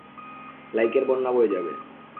লাইকের বন্যা বয়ে যাবে।